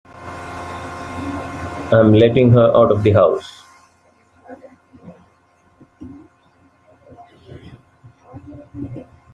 I'm letting her out of the house.